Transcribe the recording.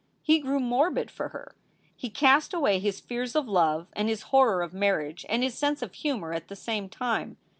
He grew morbid for her. He cast away his fears of love and his horror of marriage and his sense of humor at the same time.